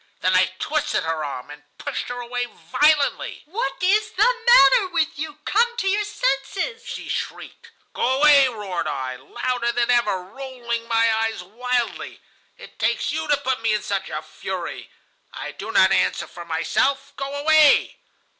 Then I twisted her arm, and pushed her away violently. "'What is the matter with you? Come to your senses!' she shrieked. "'Go away,' roared I, louder than ever, rolling my eyes wildly. 'It takes you to put me in such a fury. I do not answer for myself! Go away!